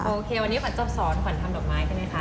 โอเควันนี้ขวัญจะสอนขวัญทำดอกไม้ใช่ไหมคะ